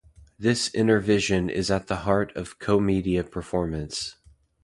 This inner vision is at the heart of commedia performance.